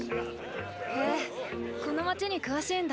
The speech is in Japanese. へぇこの街に詳しいんだ。